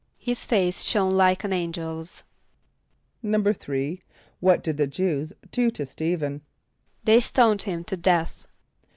=His face shone like an angel's.= =3.= What did the Jew[s+] do to St[=e]´phen? =They stoned him to death.